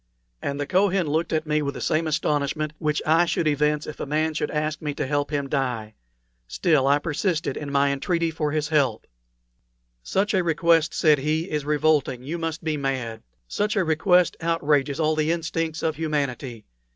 And the Kohen looked at me with the same astonishment which I should evince if a man should ask me to help him to die. Still, I persisted in my entreaty for his help. "Such a request," said he, "is revolting; you must be mad. Such a request outrages all the instincts of humanity.